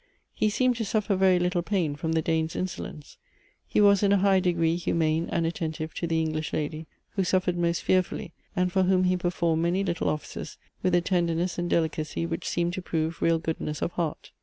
He seemed to suffer very little pain from the Dane's insolence. He was in a high degree humane and attentive to the English lady, who suffered most fearfully, and for whom he performed many little offices with a tenderness and delicacy which seemed to prove real goodness of heart.